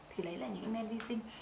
thì lấy lại những cái men vi sinh